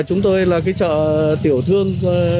chúng tôi là cái chợ tiểu thương